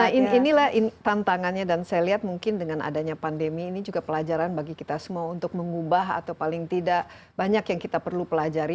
nah inilah tantangannya dan saya lihat mungkin dengan adanya pandemi ini juga pelajaran bagi kita semua untuk mengubah atau paling tidak banyak yang kita perlu pelajari